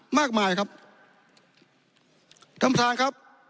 มากมายครับท่านประธานครับ